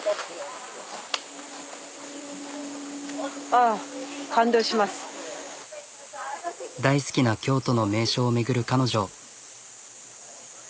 ああ大好きな京都の名所を巡る彼女。